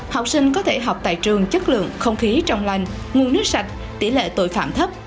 học sinh có thể học tại trường chất lượng không khí trong lành nguồn nước sạch tỷ lệ tội phạm thấp